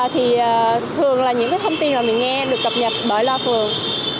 thì thường là những cái thông tin mà mình nghe được cập nhật bởi loa phưởng